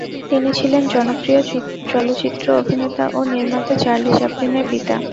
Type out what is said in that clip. তিনি ছিলেন জনপ্রিয় চলচ্চিত্র অভিনেতা ও নির্মাতা চার্লি চ্যাপলিনের পিতা।